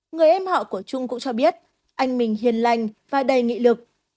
người em họ của trung cũng cho biết anh mình hiền lành và đầy nghị lực